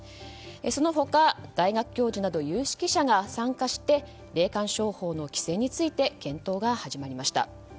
その他、大学教授など有識者が参加して霊感商法の規制について検討が始まりました。